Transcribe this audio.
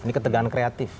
ini ketegangan kreatif